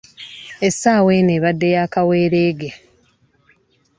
Essaawa eno ebadde ya kaweereege.